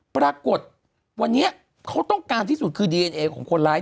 ปรากฏวันนี้เขาต้องการที่สุดคือดีเอ็นเอของคนร้าย